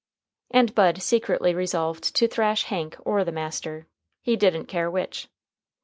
And Bud secretly resolved to thrash Hank or the master, he didn't care which.